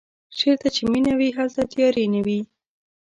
چېرته چې مینه وي هلته تیارې نه وي.